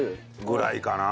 ぐらいかな。